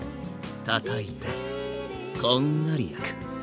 たたいてこんがり焼く。